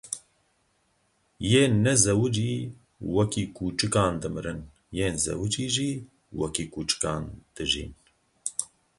Yên nezewicî wekî kûçikan dimirin, yên zewicî jî wekî kûçikan dijîn.